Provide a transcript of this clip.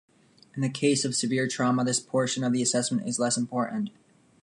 In the case of severe trauma, this portion of the assessment is less important.